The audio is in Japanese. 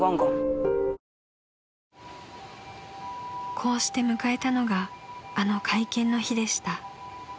［こうして迎えたのがあの会見の日でした］